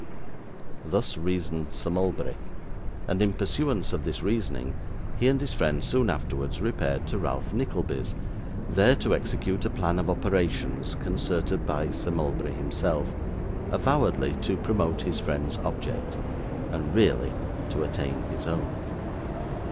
Thus reasoned Sir Mulberry, and in pursuance of this reasoning he and his friend soon afterwards repaired to Ralph Nickleby's, there to execute a plan of operations concerted by Sir Mulberry himself, avowedly to promote his friend's object, and really to attain his own.